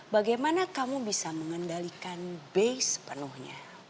bagaimana kamu bisa mengendalikan be sepenuhnya